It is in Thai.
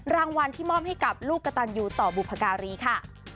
รางวัลที่มอบให้กับลูกกระตันยูต่อบุพการีค่ะ